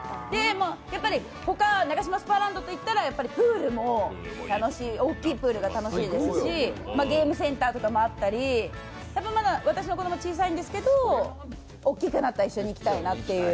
他は、ナガシマスパーランドといったらプールも大きいプールが楽しいですしゲームセンターもあったりまだ私の子供は小さいんですけどおっきくなったら一緒に行きたいなっていう。